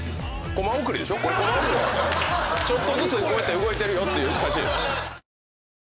ちょっとずつこうやって動いてるよっていう写真。